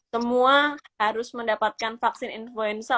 semua harus mendapatkan vaksin influenza